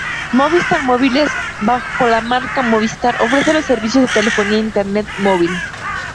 Movistar Móviles, bajo la marca Movistar, ofrece los servicios de telefonía e internet móvil.